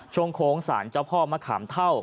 โค้งสารเจ้าพ่อมะขามเท่า